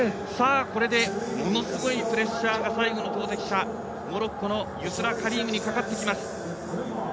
これでものすごいプレッシャーが最後の投てき者モロッコのユスラ・カリームにかかってきます。